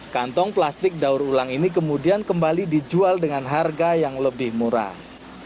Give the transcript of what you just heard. kantong plastik daur ulang ini kemudian kembali dijual dengan harga yang lebih murah